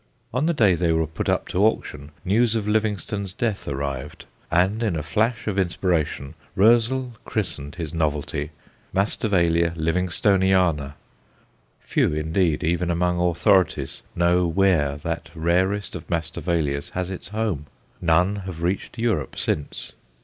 On the day they were put up to auction news of Livingstone's death arrived, and in a flash of inspiration Roezl christened his novelty M. Livingstoniana. Few, indeed, even among authorities, know where that rarest of Masdevallias has its home; none have reached Europe since.